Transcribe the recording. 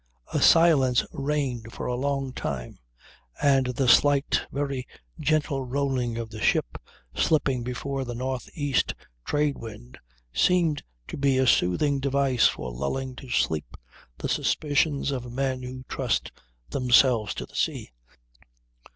A silence reigned for a long time and the slight, very gentle rolling of the ship slipping before the N.E. trade wind seemed to be a soothing device for lulling to sleep the suspicions of men who trust themselves to the sea.